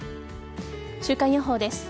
週間予報です。